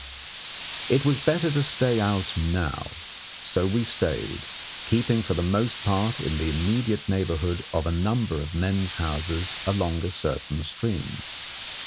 It was better to stay out now. So we stayed, keeping for the most part in the immediate neighbourhood of a number of men's houses along a certain stream.